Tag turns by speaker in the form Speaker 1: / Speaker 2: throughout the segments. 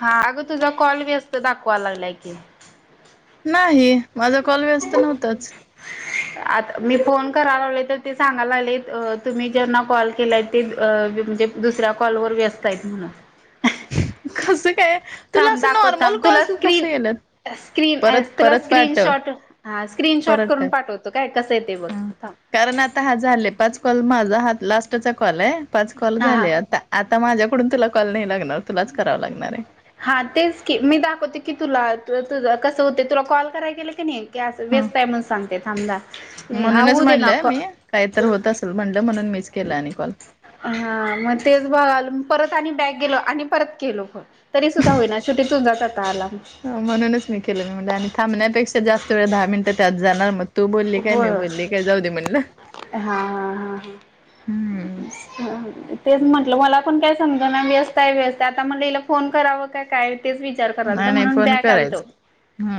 Speaker 1: हा. अगं तुझा कॉल व्यस्त दाखवा लागलाय की?
Speaker 2: नाही. माझा कॉल व्यस्त नव्हतच.
Speaker 1: आता मी फोन करा लागलोय, तर ते सांगा लागलेत तुम्ही ज्यांना कॉल केलाय ते म्हणजे दुसऱ्या कॉलवर व्यस्त आहेत म्हणून.
Speaker 2: कसं काय? तुला
Speaker 1: थांब
Speaker 2: असं
Speaker 1: दाखव
Speaker 2: नॉर्मल
Speaker 1: थांब तुला
Speaker 2: कॉल कस
Speaker 1: स्क्रीन
Speaker 2: आल्यात?
Speaker 1: स्क्रीन ऍज तुला स्क्रीनशॉट हा स्क्रीनशॉट
Speaker 2: परत
Speaker 1: करून
Speaker 2: टाक.
Speaker 1: पाठवतो काय कसं येतय बग.
Speaker 2: कारण आता हा झालेय पाच कॉल माझा हा लास्टचा कॉल आहे. पाच कॉल
Speaker 1: हा हा
Speaker 2: झाले आता. आता माझ्याकडून तुला कॉल नाही लागणार. तुलाच कराव लागणार आहे.
Speaker 1: हा तेच की मी दाखवते की तुला तुझ कसं होतय. तुला कॉल करायला गेल कणी गॅस
Speaker 2: ह
Speaker 1: व्यस्त हाय म्हणून सांगतय थांब
Speaker 2: म्हणूनच म्हणलंय मी काही तर होत असल म्हणलं म्हणून मीच केलं आणि कॉल.
Speaker 1: हा मग तेच बघाल परत आणि बॅग गेलो आणि परत केलो फोन. तरी सुद्धा होईना शेवटी तुझाच आता आला म
Speaker 2: म्हणूनच मी केलं आणि मी म्हणलं थांबण्यापेक्षा जास्त वेळ दहा मिनटं त्यात जाणार मग तू बोलली काय? मी
Speaker 1: होय.
Speaker 2: बोलली काय? जाऊ दे म्हणलं.
Speaker 1: हा हा हा हा.
Speaker 2: हम्म
Speaker 1: तेच म्हटलं मला पण काय समज ना व्यस्त हाय व्यस्त आता म्हणलं हिला फोन करावं का काय? तेच विचार
Speaker 2: नाही
Speaker 1: करालतो
Speaker 2: नाही
Speaker 1: म्हणून
Speaker 2: फोन
Speaker 1: बॅक आलतो.
Speaker 2: करायच.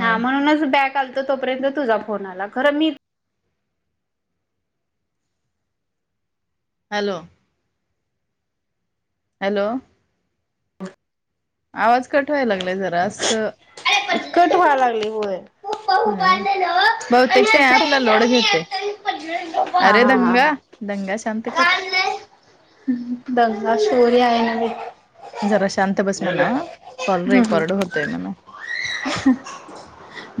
Speaker 1: हा म्हणूनच बॅक लो तोपर्यंत तुझा फोन आला. खर मी
Speaker 2: हॅलो. हॅलो. आवाज कठ व्हायला लागलाय जरासं
Speaker 1: कट व्हायला लागलय होय. हा
Speaker 2: न्हाय.
Speaker 1: हा
Speaker 2: बहुतेक ते ॲपला लोड घेतय. अरे दंगा दंगा शांत
Speaker 1: हा
Speaker 2: कर.
Speaker 1: हा दंगा शौर्य आहे.
Speaker 2: जरा शांत बस म्हणाव, कॉल
Speaker 1: हम्म
Speaker 2: रेकॉर्ड होतोय म्हणाव.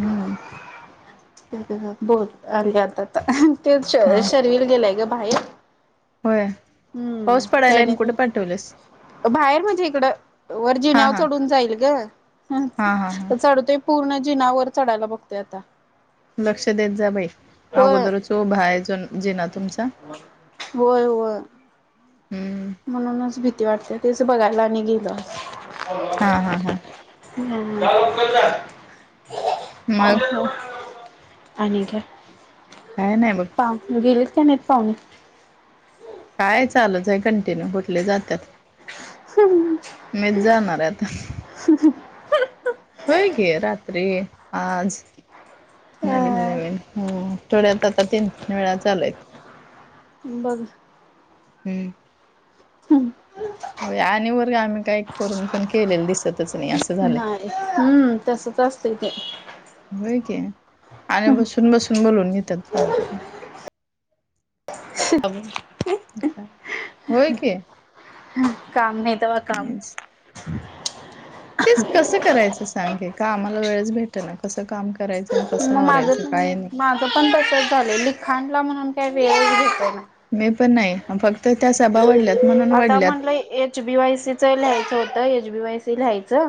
Speaker 2: हम्म
Speaker 1: बोल आले आत आता. तेच
Speaker 2: हा
Speaker 1: शर्विल गेलाय ग बाहेर.
Speaker 2: होय,
Speaker 1: हम्म
Speaker 2: पाऊस पडायला आणि
Speaker 1: त्याने
Speaker 2: कुठे पाठवलीस.
Speaker 1: बाहेर म्हणजे इकडं, वर
Speaker 2: हा
Speaker 1: जिन्यावर
Speaker 2: हा
Speaker 1: चढून जाईल ग.
Speaker 2: हा हा हा
Speaker 1: चढतोय पूर्ण जिनावर चढयला बघतोय आता.
Speaker 2: लक्ष देत जा बई,
Speaker 1: होय
Speaker 2: अगोदरचो भाय जो जीना तुमचा.
Speaker 1: होय होय.
Speaker 2: हम्म
Speaker 1: म्हणूनच भीती वाटतया तेच बघायला आणि गेलो,
Speaker 2: हा हा हा मग
Speaker 1: [unintelligible] [unintelligible] आणि काय?
Speaker 2: काय नाही बघ.
Speaker 1: हा गेलेत का नाहीत पाहुणे.
Speaker 2: काय चालूच आहे कंटिन्यू कुठले जातात?
Speaker 1: हम्.
Speaker 2: मीच जाणार हाय आता.
Speaker 1: [inaudible]
Speaker 2: होय की रात्री आज, नवीन
Speaker 1: अ
Speaker 2: नवीन. हम आठवड्यात आता तीन तीन वेळा चालू आहेत.
Speaker 1: बघ.
Speaker 2: हम्म.
Speaker 1: हम्म.
Speaker 2: आणि वर आम्ही काय करून पण केलेलं दिस सतच नाहीं अस
Speaker 1: नाही हम्म तसच असतं ते.
Speaker 2: होय की, आणि बसून बसून बोलऊन घेतात फोन करू
Speaker 1: [unintelligible]
Speaker 2: [unintelligible] होय की.
Speaker 1: काम नाही तवा काम.
Speaker 2: नाहीच तेच कसं करायचं सांग की कामाला वेळच भेट ना कसं काम करायचं तेन कस आवरायचं काय नाही.
Speaker 1: माझ पण तसच झालय लिखाणला म्हणून काय वेळच भेट ना.
Speaker 2: मी पण नाही फक्त त्या सभा वाढल्यात म्हणून
Speaker 1: आता
Speaker 2: वाढल्यात.
Speaker 1: म्हटलं एच बी वाय सीचं लिहायचं होतं एच बी वाय सी लिहायचं,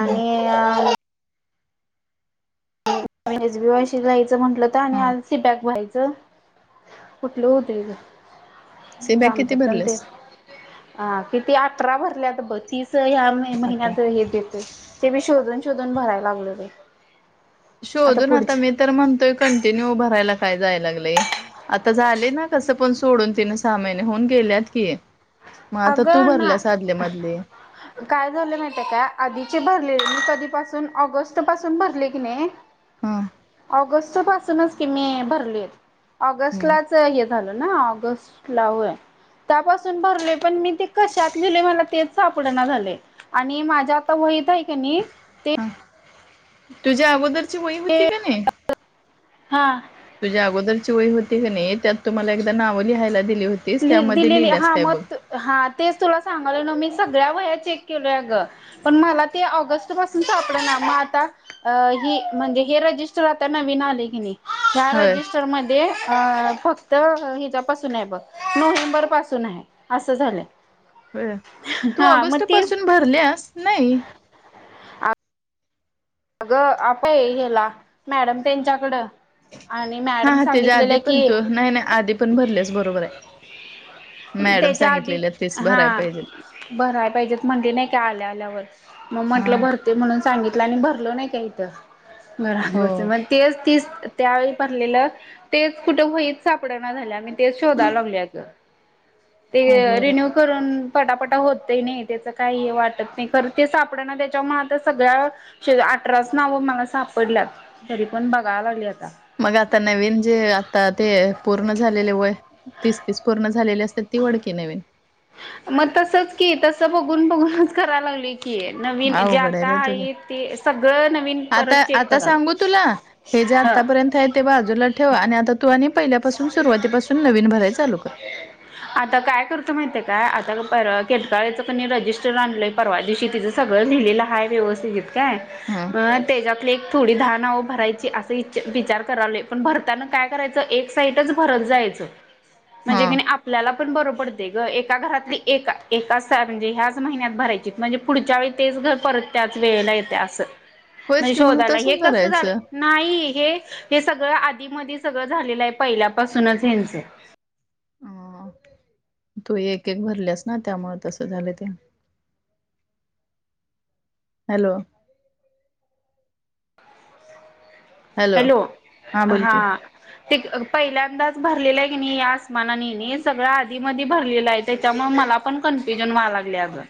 Speaker 2: हम्म
Speaker 1: एस बी वाय सी जायचं म्हंटलं तर आणि
Speaker 2: हा
Speaker 1: आज सि बॅग व्हायचं. कुठलं होत ग,
Speaker 2: सी बॅग किती
Speaker 1: आमच्यात पण तेच
Speaker 2: भरलेस?
Speaker 1: अ किती अठरा भरल्यात ब तीस ह्या
Speaker 2: अठरा
Speaker 1: महिन्यात हे देत ते मी शोधून शोधून भराय लागलोय बई.
Speaker 2: शोधून आता मी तर म्हणतोय कंटिन्यू भारायला काय जाय लागलंय. आता झाले ना कसं पण सोडून तिने साहा महिने होऊन गेल्यात की. म आता तू
Speaker 1: अगं ना
Speaker 2: भरल्यास अधले मधले.
Speaker 1: काय झालं माहितय काय आधीचे भरलेले कधीपासून ऑगस्ट पासून भरले की नाय
Speaker 2: ह
Speaker 1: ऑगस्ट पासूनच कि मी भरली,
Speaker 2: ह
Speaker 1: ऑगस्टलाच च हे झालना ऑगस्टला होय, त्यासून भरले पण मी ते कशात लिहिलोय मला तेच सापड ना झालय, आणि माझ्या आता वहीत हाय कणी
Speaker 2: हा, तुझी अगोदरची वही होती कनाय
Speaker 1: हा.
Speaker 2: तुझ्या अगोदरची वय होती की नाही त्यात तु मला एकदा नावं लिहायला दिली होतीस
Speaker 1: लि
Speaker 2: त्यामध्ये
Speaker 1: दिलेली
Speaker 2: लिहिलेस
Speaker 1: हा
Speaker 2: काय बघ.
Speaker 1: मग हा तेच तुला सांगालोय नव मी सगळ्या वया चेक केलोय अग. पण मला ते ऑगस्ट पासून सापडेना मग आता? अ ही म्हणजे हे रजिस्टर राहताना नवीन आले की नाही. ह्या
Speaker 2: होय
Speaker 1: रजिस्टर मध्ये अ फक्त हिच्यापासून आहे बघ. नोव्हेंबर पासून आहे असं झालंय.
Speaker 2: बर तू
Speaker 1: हा मग
Speaker 2: ऑगस्ट
Speaker 1: तीच
Speaker 2: पासून भरल्यास नाही
Speaker 1: अगं आप हेला मॅडम त्यांच्याकडं आणि
Speaker 2: हा
Speaker 1: मॅडम
Speaker 2: हा त्याच्या आधी
Speaker 1: सांगितलेलं
Speaker 2: पण
Speaker 1: की
Speaker 2: तू नाही नाही आधी पण भरल्यास बरोबर आहे मॅडम
Speaker 1: तेच्या आधी
Speaker 2: सांगितलेल्या तेच
Speaker 1: हा
Speaker 2: भराय पाहिजेत
Speaker 1: भराय पाहिजेत म्हंटली नाही काय आल्या आल्या वर मग
Speaker 2: हा
Speaker 1: म्हंटलं भरते म्हणून सांगितलं आणि भर बसलो नाही का इथ
Speaker 2: हो
Speaker 1: घरात ब तेच ती त्यावेळी भरलेलं तेच कुठ होईत सापडना झाल्या तेच शोधाय लागलोय, अ ग ते
Speaker 2: अगं बाई
Speaker 1: रीनीव करून पटापटा होतही नही त्याच काह हे वाटत नाही खर ते सापडण त्याच्यामुळे आता सगळ्या शे, अठराच नाव मला सापडल्यात तरी पण बघायला लागली आता
Speaker 2: मग आता नवीन जे आता ते पूर्ण झालेले वय तीस -तीस पूर्ण झालेली असते. ती ओढ की नवीन
Speaker 1: मग तसच कि तस बघून बघूनच करायला लागली. नवीन जे
Speaker 2: अवघड
Speaker 1: आता
Speaker 2: बाई तुझं
Speaker 1: आहे ते सगळं नवीन
Speaker 2: आता
Speaker 1: परत चेक
Speaker 2: आता
Speaker 1: कराल
Speaker 2: सांगू तुला हे जे
Speaker 1: ह
Speaker 2: आतापर्यंत आहेत ते बाजूला ठेव आणि आता तू आणि पहिल्यापासून सुरुवातीपासून नवीन भराय चालू कर
Speaker 1: आता काय करतो महित्या काय आता केटकाळच कणी रजिस्टर आणलं परवा दिवशी तिचं सगळं लिहिलेलं हाय व्यवस्थित काय
Speaker 2: हा
Speaker 1: आ त्याच्यातली एक थोडी दहा नाव भरायची असं ईचार करायलोय आहे पण भरताना काय करायचं एक सहितच भरत जायेच
Speaker 2: हा
Speaker 1: म्हणजेक्य आप आपल्याला पण बर पडतय ग एका घरातली एका एका म्हणजे ह्याच महिन्यात भरायची म्हणजे पुढच्या वेळी तेच घर परत, त्याच वेळेला येतय असं
Speaker 2: होयच
Speaker 1: म्हणजे
Speaker 2: की मग
Speaker 1: शोधाय हे
Speaker 2: तसच
Speaker 1: कस झाल
Speaker 2: भरायचं
Speaker 1: नाही हे हे सगळं आधीमधी सगळं झालेलं आहे पहिल्यापासूनच हेंच
Speaker 2: ह तू एक एक भरल्यास ना त्यामु तसं झाल ते हॅलो
Speaker 1: हॅलो
Speaker 2: हा बोल
Speaker 1: हां
Speaker 2: की
Speaker 1: ते पहिल्यांदाच भरलेलं आहे की नाही या आसमानाने नाही सगळं आधी मधी भरलेलं आहे त्याच्यामुळे मला पण कन्फ्युजन व्हा लागले अगं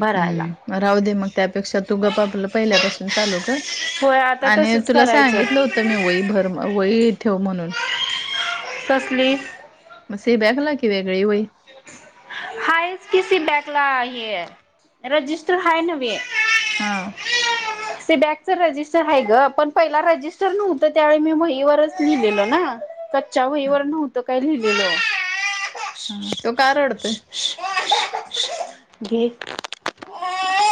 Speaker 1: भरायला
Speaker 2: हम्म राहू दे मग त्यापेक्षा तू गप आपला पहिल्यापासून चालू कर
Speaker 1: होय आता
Speaker 2: आणि
Speaker 1: तसच
Speaker 2: तुला
Speaker 1: करायचं
Speaker 2: सांगितलं होतं मी वई भर वई ठेव म्हणून
Speaker 1: तसली
Speaker 2: मसे बॅकला की वेगळी वई
Speaker 1: हाय किसी बॅक ला आहे रजिस्टर हाय नवे
Speaker 2: हा
Speaker 1: ते बॅकच रजिस्टर आहे ग पण पहिला रजिस्टर नव्हतं त्यावेळी मी वही वरच लिहलेल ना त्या वईवर नव्हतं काय लिहिलेलं
Speaker 2: हा तो का रडतो
Speaker 1: शू शू शू घे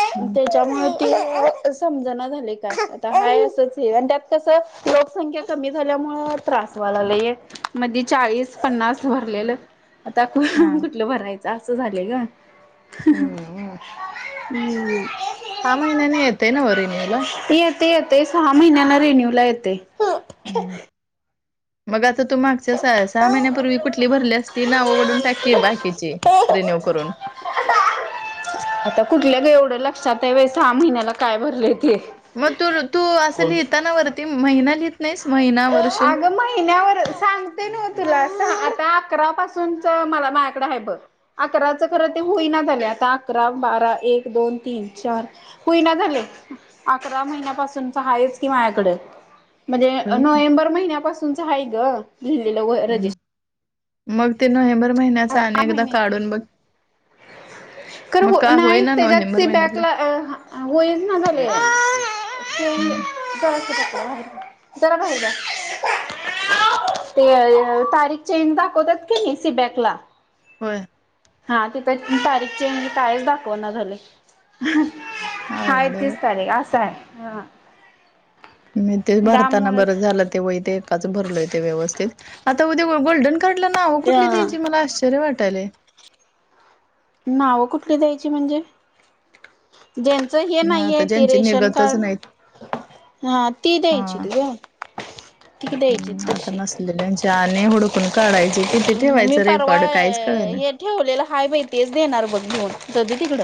Speaker 2: हम्म
Speaker 1: तेज्या मुळ
Speaker 2: [inaudible]
Speaker 1: समजना झालय काय अता आय असच हे त्यात कस लोकसंख्या कमी झाल्यामुळ त्रासवायला हे मधी चाळीस पन्नास भरलेलं आता
Speaker 2: हा
Speaker 1: लं भरायच अस झालय ग ह्
Speaker 2: हम्म
Speaker 1: हम
Speaker 2: सहा महिन्यांन येतय नव रीनिव ला
Speaker 1: ते येतय सहा महिन्यांना रेन्यू ला येतय
Speaker 2: हम्म मग आता तू मागच्या सहा महिन्यापूर्वी कुठली भरली असती नावंओढडून टाके बाकीची रिन्यू करून
Speaker 1: आता कुठल्या एवढं लक्षात आहे बा सहा महिन्याला काय भरलेय ते
Speaker 2: मग तू तू असं लिहिताना वरती महिना लिह
Speaker 1: अगं महिन्यावर सांगते न तुला आता अकरा पासूनच मला माझ्याकडं आहे बघ अकराच खरं ते होईना झाले आता अकरा बारा एक दोन तीन चार होना झाले अकरा महिन्यापासून आहेाच की माझ्याकडे म्हणजे
Speaker 2: ना.
Speaker 1: नोव्हेंबर महिन्यापासूनच आहे ग लिहिलेलं
Speaker 2: हम्म.
Speaker 1: रजिस्
Speaker 2: मग ते नोव्हेंबर महिन्याचा अनेकदा काढून बघ
Speaker 1: कार
Speaker 2: मग
Speaker 1: हो
Speaker 2: का
Speaker 1: नाही
Speaker 2: होईना
Speaker 1: त्याच्यात
Speaker 2: नोव्हेंबर महिन्यातला
Speaker 1: बॅकला वयच ना झाले
Speaker 2: हम्म
Speaker 1: ज बा जरा बाहेर जा ते य तारीख चेंज दाखवत्यात की नही सीबॅक ला
Speaker 2: होय
Speaker 1: हा तिथं तारीख चेज कायच दाखवना झालय हा
Speaker 2: अवघड
Speaker 1: एक
Speaker 2: आहे
Speaker 1: तीस तारीख असा आहे ह
Speaker 2: मी ते भारताना बरं
Speaker 1: त्यामुळेच
Speaker 2: झालं तेव ते एकाच भरलय ते व्यवस्थित आता उद्या गोल्डन कडला नावं कुठली
Speaker 1: अ
Speaker 2: द्यायची मला आश्चर्य वाटय
Speaker 1: नाव कुठली द्यायची म्हणजे ज्यांचं हे
Speaker 2: आता
Speaker 1: नाहीये ते
Speaker 2: ज्यांची
Speaker 1: रेशन
Speaker 2: निघतच
Speaker 1: कार्ड
Speaker 2: नाहीत
Speaker 1: हा ती द्यायची
Speaker 2: हा.
Speaker 1: तुझ त द्यायची तशी
Speaker 2: ल्यांच्या आने हुडकून काढायचे कि ते
Speaker 1: मी
Speaker 2: ठेवायचं रे
Speaker 1: परवा
Speaker 2: कॉड काहीच कळय
Speaker 1: हे ठेवलेलं हाय माहि तेच देणार बघड दध तिकड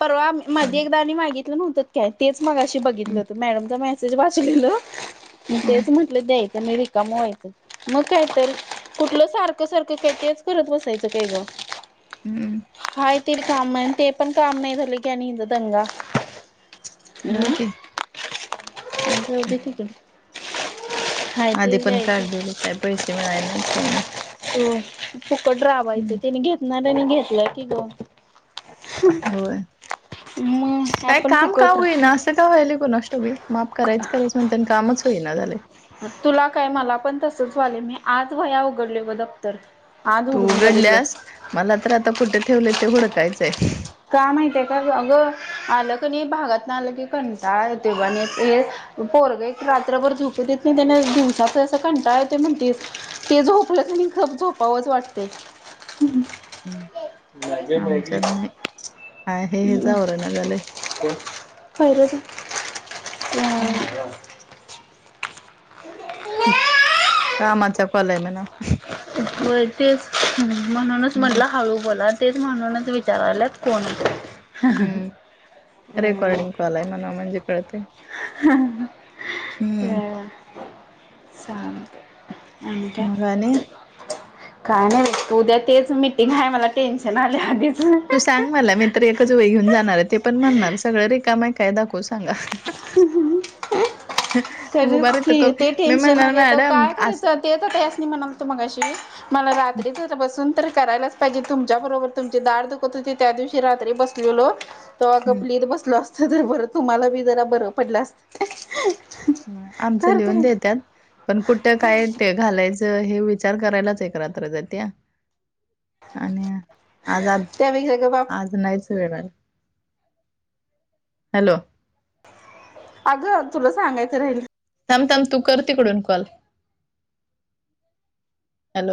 Speaker 1: परवा माधी
Speaker 2: हम्म
Speaker 1: एकदा आ्ही मागितलं नव्हतं काय तेच मग अशी बघितलं होतं मॅडम ज मा म वाचलेलं
Speaker 2: हम्म
Speaker 1: तेच म्हटलं द्यायचं म रिकाम वयचं मग कायत कुठलं सारखं सारखं खतीच करत बसायचं ते ग काय
Speaker 2: हम्म
Speaker 1: ग हायते काम ते पण काम नाही झाले कीथ दंगा हम्म
Speaker 2: होक
Speaker 1: जाऊदे तीकड
Speaker 2: आधी पण काढ दिले काय पैसे मिळायले नाहीत काही नाही
Speaker 1: हो फुकट रावायचं
Speaker 2: हम्म
Speaker 1: त्याने घेतणार घेतलंय की ग मग
Speaker 2: काय
Speaker 1: आपण
Speaker 2: काम
Speaker 1: फुकट
Speaker 2: कामई
Speaker 1: राह
Speaker 2: ना झाले
Speaker 1: तुला काय मला पण तसच वाले मी आज वया उघडले बदं
Speaker 2: तू उघडल्यास मला तर आता कुठे ठेवलं ते होडकायचंय
Speaker 1: का माहितय का अ गं आलं क नाही भागात नाही आलं की कंता तेव्हा हे पोरग एक रात्रभर झोप देत नाही त्याना दिवसाच असं कंटा य ते म्हणतीस ते झोपलं तर म झोपावंच वाटते ते नाहीगरी
Speaker 2: आमच्यात नाही आहे हेच आवरणा झालंय.
Speaker 1: फहिरज
Speaker 2: हम्
Speaker 1: हो
Speaker 2: कामाच्या कलय म ना
Speaker 1: व तेच म्हणूनच म्हटलं हळू बोलात तेच म्हणूनच विचारालात कोणत
Speaker 2: हम्म रेकॉर्डिंग कॉल आहे म्हणा म्हणजे कळते
Speaker 1: हा चालतंय आणि काय
Speaker 2: मग आणि
Speaker 1: काय नाय बय उद्या तेच मिटिंग हाय मला टेन्शन आलय आधीच
Speaker 2: तू सांग मला मी तर एकच वही घेऊन जाणार हाय ते पण म्हणणार सगळं रिकाम हाय काय दाखवू स सांगा
Speaker 1: तर
Speaker 2: मुबारततो
Speaker 1: की ते
Speaker 2: मी
Speaker 1: टेन्शन
Speaker 2: म्हणणार
Speaker 1: आले तर
Speaker 2: मॅडम
Speaker 1: काय
Speaker 2: आस
Speaker 1: करायचं ते त त्याअस्नी म्हणाल होत मंगाशी मला रात्रीच बसून तरी करायलाच पाहिजे तुमच्या बरोबर तुमची दाड दुखत होती. त्या दिवशी रात्री बसलेलो तवा गप लिहीत बसलो असत तर बरं तुम्हाला बी जरा बरं पडलं असत
Speaker 2: नाय आमचं
Speaker 1: तर
Speaker 2: लिहून
Speaker 1: काय
Speaker 2: देत्यात पण कुठं काय काय घालायचं हे विचार करायलाच एक रात्र जात्या आणि आज आज
Speaker 1: त्यापेक्षा ग बाप
Speaker 2: आज नाहीच ते नाय हॅलो
Speaker 1: अगं तुला सांगायचं राहील
Speaker 2: थांब थांब तू कर तिकडून कॉल हॅलो